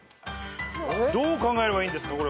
どう考えればいいんですかこれ。